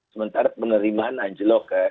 sementara penerimaan anjlok kan